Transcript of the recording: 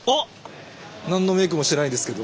何のメークもしてないですけど。